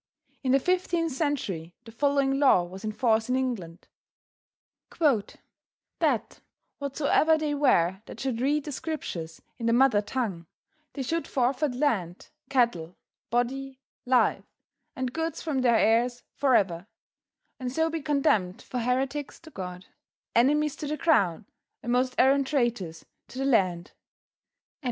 In the fifteenth century the following law was in force in England: "That whatsoever they were that should read the Scriptures in the mother tongue, they should forfeit land, cattle, body, life, and goods from their heirs forever, and so be condemned for heretics to God, enemies to the crown, and most arrant traitors to the land."